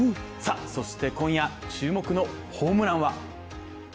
そして今夜、注目のホームランは。